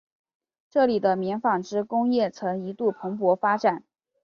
这里的棉纺织工业曾一度蓬勃发展。